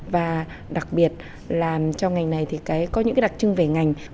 và đặc biệt là trong ngành này có những đặc trưng về ngành